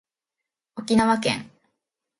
沖縄県